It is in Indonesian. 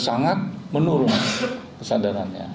sangat menurun kesadarannya